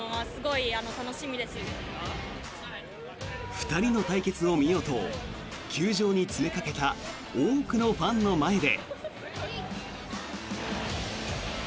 ２人の対決を見ようと球場に詰めかけた多くのファンの前で。